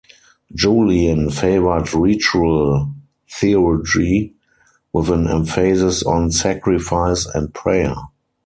Julian favored ritual theurgy, with an emphasis on sacrifice and prayer.